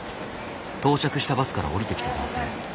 到着したバスから降りてきた男性。